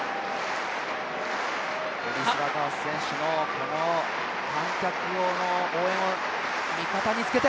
オリスラガースの観客の応援を味方につけて。